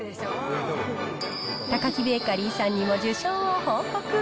タカキベーカリーさんにも受賞を報告。